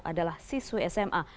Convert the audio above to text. adalah siswa sma